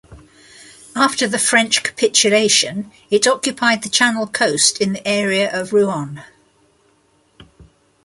After the French capitulation it occupied the Channel coast in the area of Rouen.